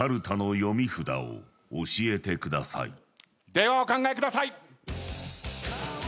ではお考えください。